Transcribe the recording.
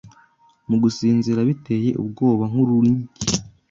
Mu gusinzira biteye ubwobaNkurunigi